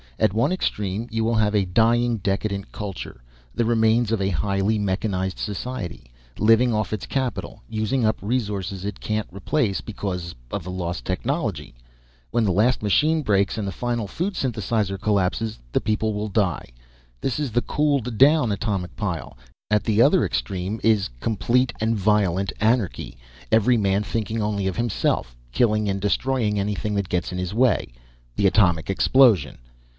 At one extreme you will have a dying, decadent culture the remains of a highly mechanized society living off its capital, using up resources it can't replace because of a lost technology. When the last machine breaks and the final food synthesizer collapses the people will die. This is the cooled down atomic pile. At the other extreme is complete and violent anarchy. Every man thinking only of himself, killing and destroying anything that gets in his way the atomic explosion.